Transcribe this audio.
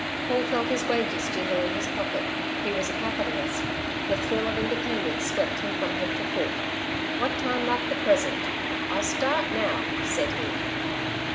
Paul felt his wages jingle in his pocket. He was a capitalist. The thrill of independence swept him from head to foot. What time like the present? "I'll start now," said he.